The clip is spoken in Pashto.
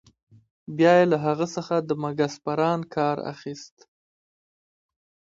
بیا يې له هغه څخه د مګس پران کار اخیست.